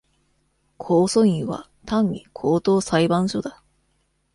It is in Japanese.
控訴院は、単に高等裁判所だ。